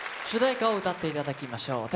主題歌を歌っていただきましょう。